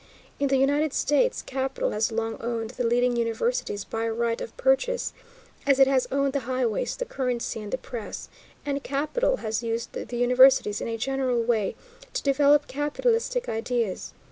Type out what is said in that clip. In the United States capital has long owned the leading universities by right of purchase, as it has owned the highways, the currency, and the press, and capital has used the universities, in a general way, to develop capitalistic ideas.